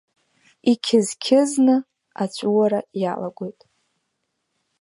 Иқьыз-қьызны аҵәуара иалагоит.